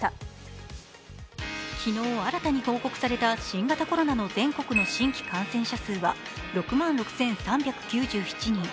昨日新たに報告された新型コロナの全国の新規感染者数は６万６３９７人。